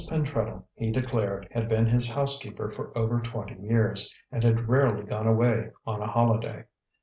Pentreddle, he declared, had been his housekeeper for over twenty years, and had rarely gone away on a holiday.